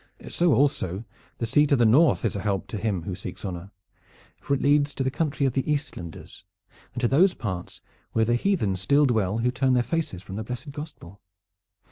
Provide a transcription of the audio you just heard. So also the sea to the north is a help to him who seeks honor, for it leads to the country of the Eastlanders and to those parts where the heathen still dwell who turn their faces from the blessed Gospel.